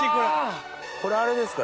これあれですか？